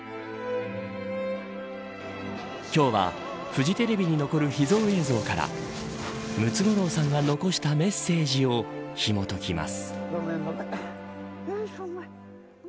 今日はフジテレビに残る秘蔵映像からムツゴロウさんが残したメッセージをひもときます。